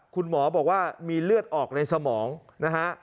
คุณหมอบอกว่ามีเลือดออกในสมองนะฮะ